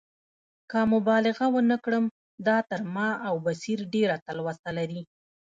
که مبالغه ونه کړم، دا تر ما او بصیر ډېره تلوسه لري.